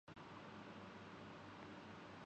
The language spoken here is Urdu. پشاورسے چترال تک کا سفر چودہ گھنٹوں میں طے ہوتا ہے ۔